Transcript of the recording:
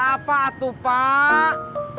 apa atu pak